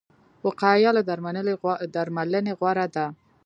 وقایه له درملنې غوره ده